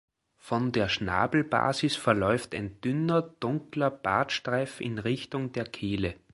Von der Schnabelbasis verläuft ein dünner, dunkler Bartstreif in Richtung der Kehle.